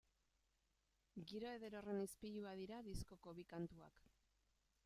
Giro eder horren ispilua dira diskoko bi kantuak.